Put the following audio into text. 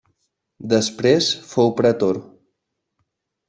Després fou pretor.